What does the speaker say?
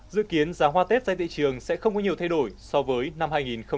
dự kiến giá hoa tết ra thị trường sẽ không có nhiều thay đổi so với năm hai nghìn hai mươi